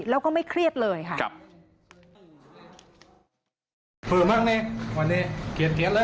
แล้วก็ไม่เครียดเลยค่ะ